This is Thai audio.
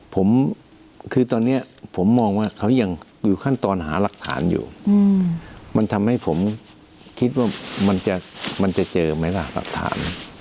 ผมคือตอนนี้ผมมองว่าเขายังอยู่ขั้นตอนหาหลักฐานอยู่มันทำให้ผมคิดว่ามันจะเจอไหมล่ะหลักฐาน